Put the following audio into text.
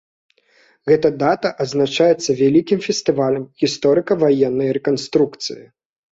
Гэта дата адзначаецца вялікім фестывалем гісторыка-ваеннай рэканструкцыі.